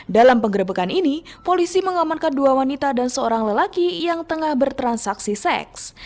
dalam penggerebekan ini polisi mengamankan dua wanita dan seorang lelaki yang tengah bertransaksi seks